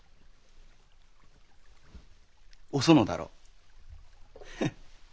おそのだろ？